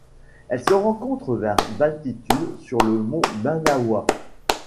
Elle se rencontre vers d'altitude sur le mont Banahaw.